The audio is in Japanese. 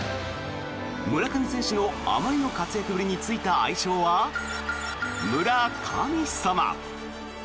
村上選手のあまりの活躍ぶりについた愛称は村神様。